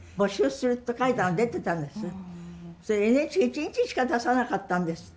それＮＨＫ一日しか出さなかったんですって。